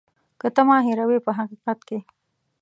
که ته ما هېروې په حقیقت کې.